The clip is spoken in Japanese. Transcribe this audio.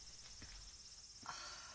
あっ。